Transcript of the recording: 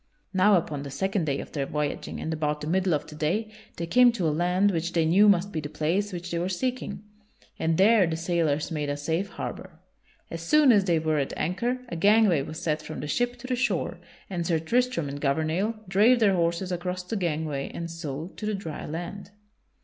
Now upon the second day of their voyaging and about the middle of the day they came to a land which they knew must be the place which they were seeking, and there the sailors made a safe harbor. As soon as they were at anchor a gangway was set from the ship to the shore and Sir Tristram and Gouvernail drave their horses across the gangway and so to the dry land.